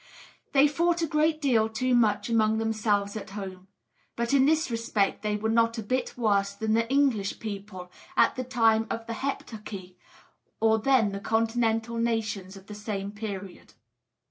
They fought a great deal too much among themselves at home; but in this respect they were not a bit worse than the English people at the time of the Heptarchy or than the Continental nations of the same period.